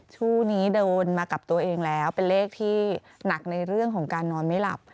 ช่วงนี้โดนมากับตัวเองแล้วเป็นเลขที่หนักในเรื่องของการนอนไม่หลับ